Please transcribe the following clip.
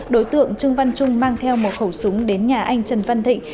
đối tượng trương văn trung mang theo một khẩu súng đến nhà anh trần văn thịnh